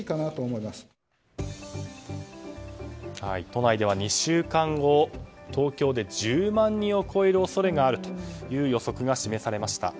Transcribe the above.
都内では２週間後東京で１０万人を超える恐れがあるという予測が示されました。